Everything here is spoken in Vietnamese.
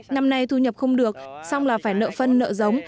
năm nay thu nhập không được xong là phải nợ phân nợ giống